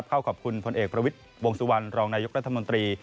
ข้าวขอบคุณพ่อนเอกพระวิดวงศุวรรณรองนายอีกละธมนตรี